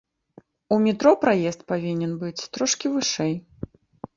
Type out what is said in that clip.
У метро праезд павінен быць трошкі вышэй.